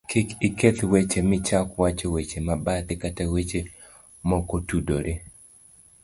kik iketh weche michak wacho weche mabathe kata weche mokotudore